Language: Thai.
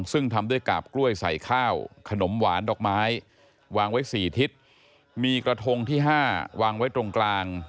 ซึ่งทำด้วยกาบกล้วยใส่ข้าวขนมหวานดอกไม้วางไว้๔ทิศมีกระทงที่๕วางไว้ตรงกลาง